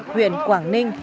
huyện quảng ninh